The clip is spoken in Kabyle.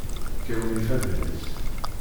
Kkawen ifadden-is.